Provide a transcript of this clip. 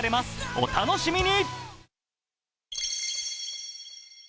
お楽しみに。